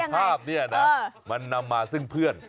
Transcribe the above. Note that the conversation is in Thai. ภาพนี้นะมันนำมาซึ่งเพื่อน